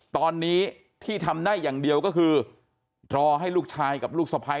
ตอนนี้ที่ทำได้อย่างเดียวก็คือรอให้ลูกชายกับลูกสะพ้าย